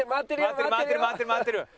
回ってる回ってるよ回ってるよ。